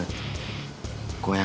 gak ada masalah